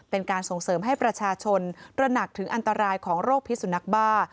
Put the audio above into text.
เป็นการส่งเสริมให้ประชาชนตระหนักถึงอันตรายของโรคพิสุนักบ้า